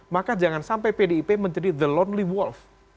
maka jangan sampai pdip menjadi the lonely walf